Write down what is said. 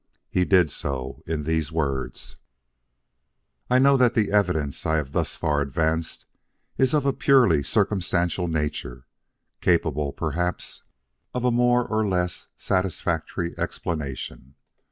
He did so, in these words: "I know that the evidence I have thus far advanced is of a purely circumstantial nature, capable, perhaps, of a more or less satisfactory explanation.